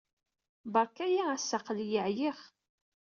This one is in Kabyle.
Beṛka-iyi ass-a. Aql-iyi ɛyiɣ.